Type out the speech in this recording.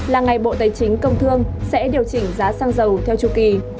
là ngày bộ tài chính công thương sẽ điều chỉnh giá xăng dầu theo chu kỳ